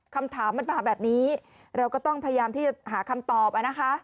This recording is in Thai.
คำถามมันมาแบบนี้เราก็ต้องพยายามที่จะหาคำตอบนะคะ